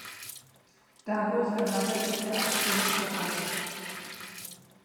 Dadurch erweitert sich der Aktionsbereich.